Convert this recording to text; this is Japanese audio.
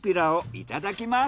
いただきます。